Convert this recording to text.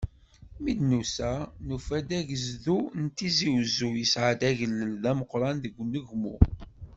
Mi d-nusa, nufa-d agezdu n Tizi Uzzu, yesɛa agellel d ameqqran deg unegmu.